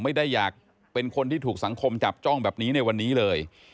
ไม่ได้อยากเป็นคนที่ถูกสังคมจับจ้องแบบนี้ในวันนี้เลย